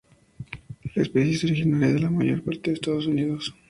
La especie es originaria de la mayor parte de Estados Unidos.